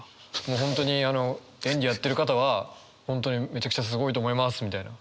もう本当にあの演技やってる方は本当にめちゃくちゃすごいと思いますみたいな。